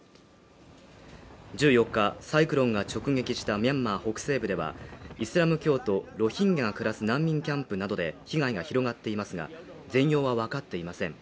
１４日サイクロンが直撃したミャンマー北西部ではイスラム教徒ロヒンギャが暮らす難民キャンプなどで被害が広がっていますが、全容はわかっていません。